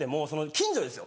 近所ですよ